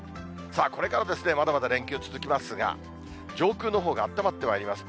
これからですね、まだまだ連休続きますが、上空のほうがあったまってまいります。